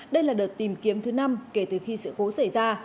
đây là đợt tìm kiếm thứ năm kể từ khi sự cố xảy ra